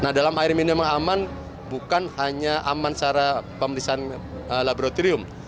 nah dalam air minum yang aman bukan hanya aman secara pemeriksaan laboratorium